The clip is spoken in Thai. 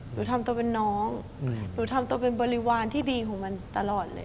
หนูทำตัวเป็นน้องหนูทำตัวเป็นบริวารที่ดีของมันตลอดเลย